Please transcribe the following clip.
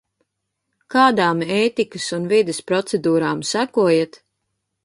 Kādām ētikas un vides procedūrām sekojat?